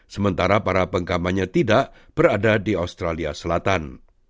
sementara para pengkamanya tidak berada di australia selatan